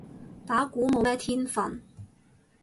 打鼓冇咩天份